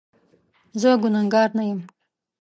زه ګناکاره نه یم